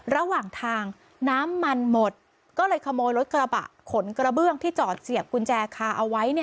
ระหว่างทางน้ำมันหมดก็เลยขโมยรถกระบะขนกระเบื้องที่จอดเสียบกุญแจคาเอาไว้